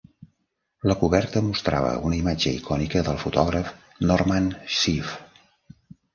La coberta mostrava una imatge icònica del fotògraf Norman Seeff.